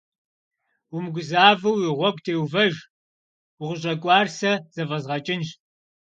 Умыгузэвэу уи гъуэгу теувэж, укъыщӏэкӏуар сэ зэфӏэзгъэкӏынщ.